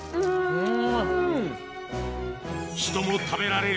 うん。